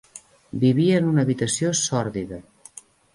Vivia en una habitació sòrdida.